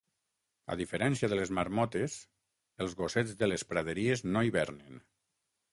A diferència de les marmotes, els gossets de les praderies no hibernen.